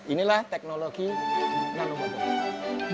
inilah teknologi nano bubble